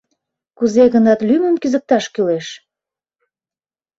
Кузе-гынат лӱмым кӱзыкташ кӱлеш?